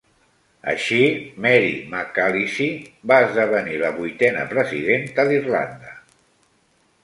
Així, Mary McAleese va esdevenir la vuitena presidenta d'Irlanda.